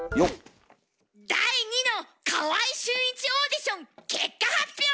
第二の川合俊一オーディション結果発表！